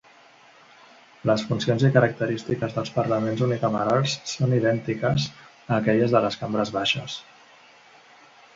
Les funcions i característiques dels parlaments unicamerals són idèntiques a aquelles de les cambres baixes.